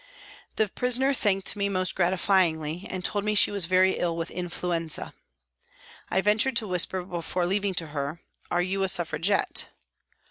The prisoner thanked me most gratifyingly and told me she was very ill with influenza. I ventured to whisper before leaving her, " Are you a Suffragette